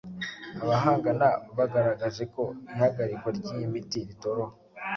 abahanga bagaragaje ko ihagarikwa ry’iyi miti ritoroha